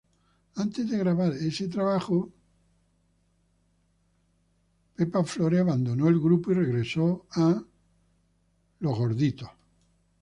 Antes de grabar ese trabajo, Roy Mayorga abandonó el grupo y regresó a Soulfly.